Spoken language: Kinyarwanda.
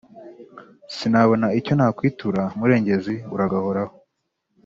Sinabona icyo nakwitura murengezi uragahoraho